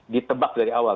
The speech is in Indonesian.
ditebak dari awal